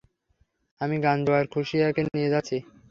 আমি গাঞ্জু আর খুশিয়াকে নিয়ে যাচ্ছি।